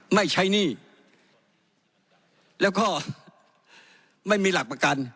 ไม่ใช้หนี้แล้วก็ไม่มีหลักประกัน